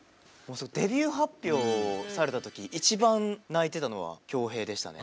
デビュー発表された時一番泣いてたのは恭平でしたね。